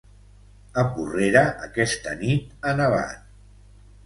A Porrera aquesta nit ha nevat.